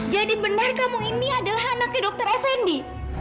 jadi benar kamu indy adalah anaknya dokter effendi